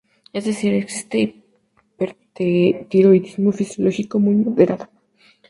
Es decir, existe un hipertiroidismo fisiológico muy moderado.